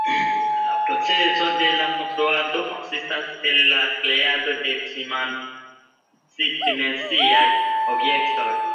La procezo de konstruado konsistas el la kreado de tri-dimensiaj objektoj.